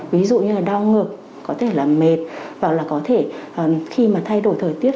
ví dụ như đau ngực có thể là mệt hoặc là có thể khi thay đổi thời tiết